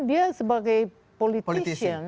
dia sebagai politisi